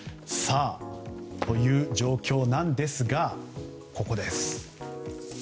という状況なんですがここです。